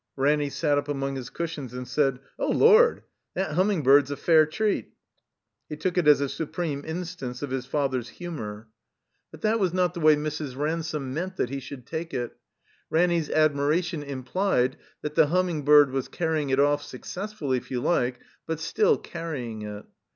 Ranny sat up among his cushions and said: ''Oh, Lord! That Humming bird's a fair treat." He took it as a supreme instance of his father's humor. 43 THE COMBINED MAZE But that was not the way Mrs. Ransome meant that he should take it. Ranny's admiration implied that the Humming bird was carrying it off, success fully, if you like, but still canying it.